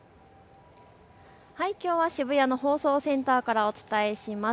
きょうは渋谷の放送センターからお伝えします。